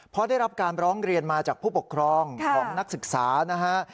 เพราะได้รับการร้องเรียนมาจากผู้ปกครองของนักศึกษานะฮะ